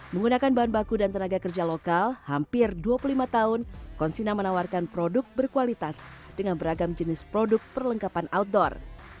menggunakan bahan baku dan tenaga kerja lokal hampir dua puluh lima tahun konsina menawarkan produk berkualitas dengan beragam jenis produk perlengkapan outdoor